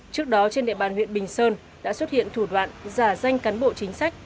trước đó trên địa bàn huyện bình sơn đã xuất hiện thủ đoạn giả danh cán bộ chính sách